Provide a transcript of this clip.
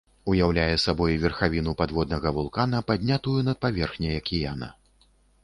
Уяўляе сабой верхавіну падводнага вулкана, паднятую над паверхняй акіяна.